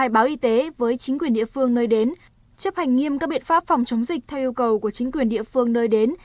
báo y tế với chính quyền địa phương nơi đến chấp hành nghiêm các biện pháp phòng chống dịch theo yêu cầu của chính quyền địa phương nơi đến